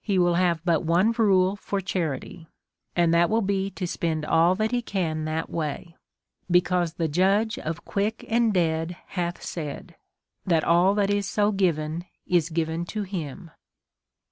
He will have but one rule for charity, and that will be to spend all that he can that way ; because the Judge of quick and dead hath said, that all that is so given is given to him.